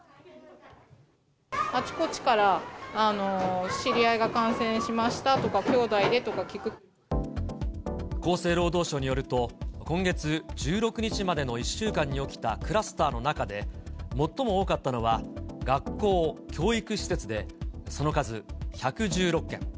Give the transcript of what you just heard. あちこちから、知り合いが感染しましたとか、厚生労働省によると、今月１６日までの１週間に起きたクラスターの中で、最も多かったのは、学校・教育施設で、その数、１１６件。